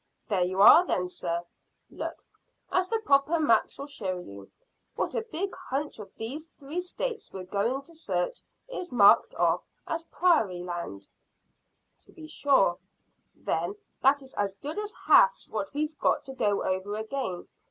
"There you are, then, sir. Look, as the proper maps'll show you, what a big hunch of these three States we're going to search is marked off as prairie land." "To be sure." "Then that as good as halves what we've got to go over again.